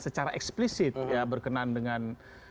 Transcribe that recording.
secara eksplisit ya berkenan dengan